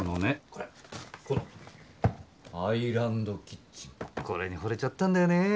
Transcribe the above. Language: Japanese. これこのアイランドキッチンこれにほれちゃったんだよね。